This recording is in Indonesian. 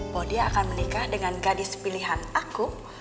bahwa dia akan menikah dengan gadis pilihan aku